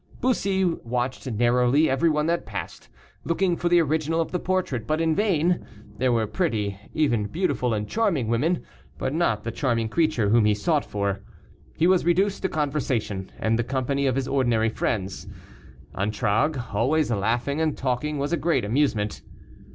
Bussy watched narrowly everyone that passed, looking for the original of the portrait, but in vain; there were pretty, even beautiful and charming women, but not the charming creature whom he sought for. He was reduced to conversation, and the company of his ordinary friends. Antragues, always laughing and talking, was a great amusement.